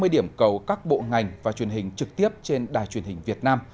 ba mươi điểm cầu các bộ ngành và truyền hình trực tiếp trên đài truyền hình việt nam